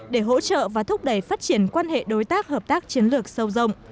để hỗ trợ và thúc đẩy phát triển quan hệ đối tác hợp tác chiến lược sâu rộng